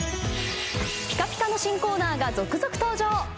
ピカピカの新コーナーが続々登場。